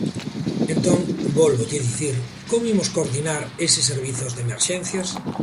Entón –vólvolle dicir–, ¿como imos coordinar eses servizos de emerxencias?